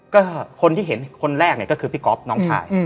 ก็คนที่เห็นคนแรกเนี่ยก็คือพี่ก๊อฟน้องชาย